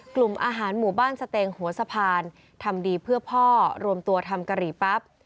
กลุ่มอาหารหมู่บ้านสเตงหัวสะพานทำดีเพื่อพ่อรวมตัวทำกะหรี่ปั๊บ